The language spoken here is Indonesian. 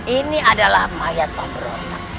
ini adalah mayat pemberontak